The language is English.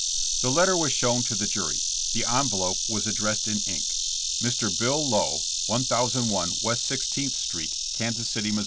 The letter was shown to the jury. The envelope was addressed in ink: "Mr. Bill Lowe, 1001 West Sixteenth street, Kansas City, Mo."